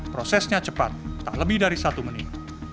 prosesnya cepat tak lebih dari satu menit